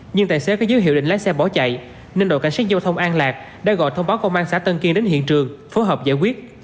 nhưng tài xế có giới hiệu định lái xe bỏ chạy nên đội cảnh sát giao thông an lạc đã gọi thông báo công an xã tân kiên đến hiện trường phối hợp giải quyết